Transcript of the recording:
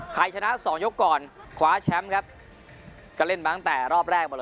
ชนะสองยกก่อนคว้าแชมป์ครับก็เล่นมาตั้งแต่รอบแรกมาเลย